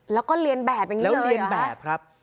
แล้วก็เรียนแบบอย่างนี้แล้วเรียนแบบครับ